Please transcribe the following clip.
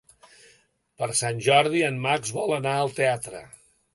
Per Sant Jordi en Max vol anar al teatre.